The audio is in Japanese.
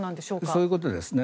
そういうことですね。